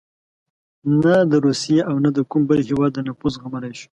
نه د روسیې او نه د کوم بل هېواد نفوذ زغملای شو.